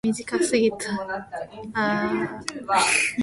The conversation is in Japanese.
中国の経済の中枢都市は上海である